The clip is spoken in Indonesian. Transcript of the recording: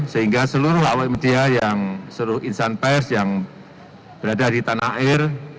sehingga seluruh lawai media yang seluruh insan pers yang berada di tanah air